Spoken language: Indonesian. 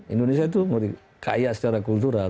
indonesia itu kaya secara kultural